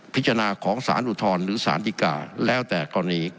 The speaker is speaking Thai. พิจารณาของศาลอุทธรณ์หรือศาลฏิกาแล้วแต่ก่อนนี้